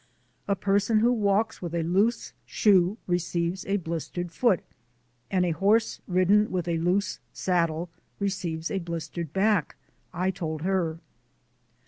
"A person who walks with a loose shoe receives a blistered foot, and a horse ridden with a loose saddle receives a blistered back," I told her.